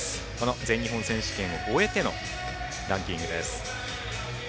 全日本選手権を終えてのランキングです。